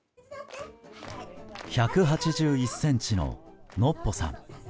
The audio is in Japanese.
１８１ｃｍの、のっぽさん。